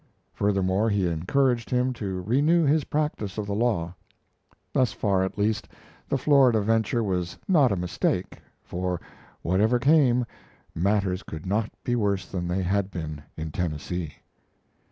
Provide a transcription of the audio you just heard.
Furthermore, he encouraged him to renew his practice of the law. Thus far, at least, the Florida venture was not a mistake, for, whatever came, matters could not be worse than they had been in Tennessee.